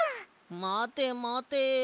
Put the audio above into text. まてまて。